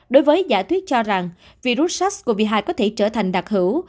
đối với giả thuyết cho rằng virus sars cov hai có thể trở thành đặc hữu